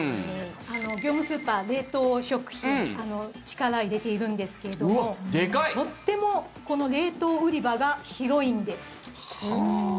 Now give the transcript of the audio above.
業務スーパー、冷凍食品力入れているんですけどもとってもこの冷凍売り場が広いんです。